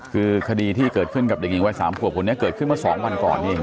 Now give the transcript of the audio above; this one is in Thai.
คือคดีที่เกิดขึ้นกับเด็กหญิงวัย๓ขวบคนนี้เกิดขึ้นมา๒วันก่อนเอง